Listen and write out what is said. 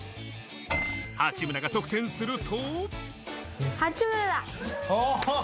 八村が得点すると。